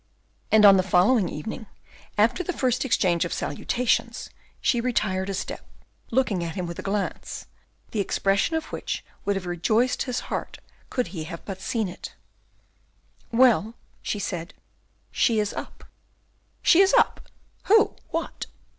And on the following evening, after the first exchange of salutations, she retired a step, looking at him with a glance, the expression of which would have rejoiced his heart could he but have seen it. "Well," she said, "she is up." "She is up! Who? What?"